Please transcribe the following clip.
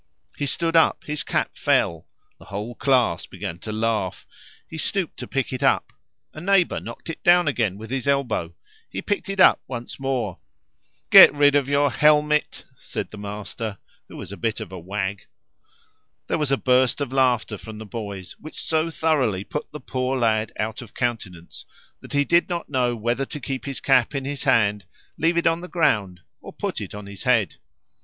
He stood up; his cap fell. The whole class began to laugh. He stooped to pick it up. A neighbor knocked it down again with his elbow; he picked it up once more. "Get rid of your helmet," said the master, who was a bit of a wag. There was a burst of laughter from the boys, which so thoroughly put the poor lad out of countenance that he did not know whether to keep his cap in his hand, leave it on the ground, or put it on his head.